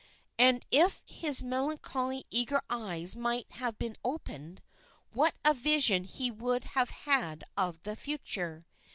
And if his melancholy eager eyes might have been opened, what a vision he would have had of the future!